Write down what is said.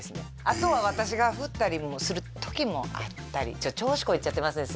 あとは私が振ったりもする時もあったりちょっと調子こいちゃってますね